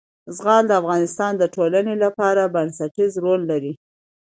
زغال د افغانستان د ټولنې لپاره بنسټيز رول لري.